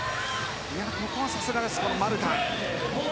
ここはさすがです、マルタン。